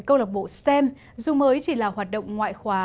câu lạc bộ xem dù mới chỉ là hoạt động ngoại khóa